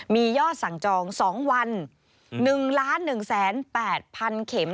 มียอดสั่งจอง๒วัน๑๑๘๐๐๐เข็ม